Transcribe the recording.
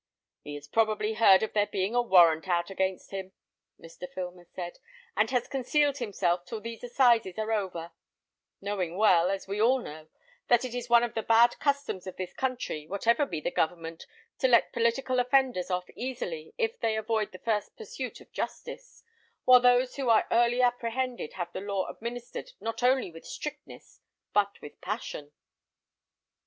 "He has probably heard of there being a warrant out against him," Mr. Filmer said, "and has concealed himself till these assizes are over; knowing well, as we all know, that it is one of the bad customs of this country, whatever be the government, to let political offenders off easily if they avoid the first pursuit of justice, while those who are early apprehended have the law administered not only with strictness but with passion."